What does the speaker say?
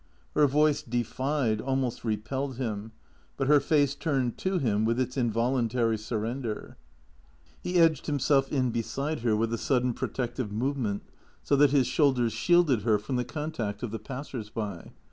Her voice defied, almost repelled him ; but her face turned to him with its involuntary surrender. He edged himself in beside her with a sudden protective move ment, so that his shoulders shielded her from the contact of the passers by.